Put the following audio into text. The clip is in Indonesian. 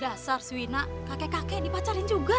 dasar si wina si kakek kakek yang dipacarin juga